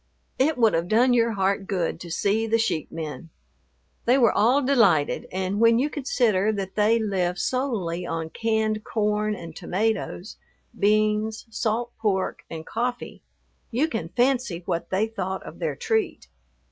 It would have done your heart good to see the sheep men. They were all delighted, and when you consider that they live solely on canned corn and tomatoes, beans, salt pork, and coffee, you can fancy what they thought of their treat.